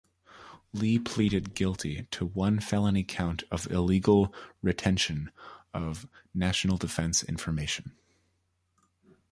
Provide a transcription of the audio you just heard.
Lee pleaded guilty to one felony count of illegal "retention" of "national defense information.